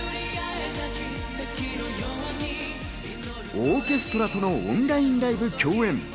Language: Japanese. オーケストラとのオンラインライブ共演。